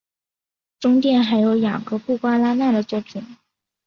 中殿还有雅格布瓜拉纳的作品。